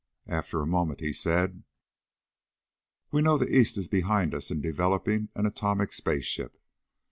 After a moment he said: "We know the East is behind us in developing an atomic spaceship.